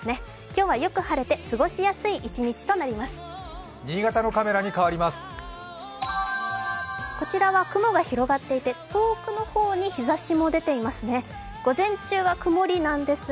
今日はよく晴れて過ごしやすい一日となります。